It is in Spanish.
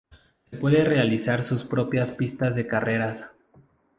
Se puede realizar su propia pista de carreras.